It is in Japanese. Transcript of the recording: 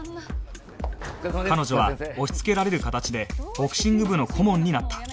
彼女は押しつけられる形でボクシング部の顧問になった